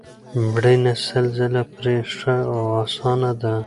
مړینه سل ځله پرې ښه او اسانه ده